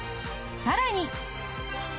さらに。